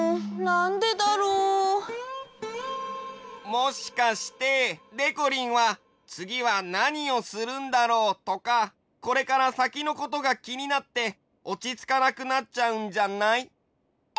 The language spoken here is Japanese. もしかしてでこりんはつぎはなにをするんだろうとかこれからさきのことがきになっておちつかなくなっちゃうんじゃない？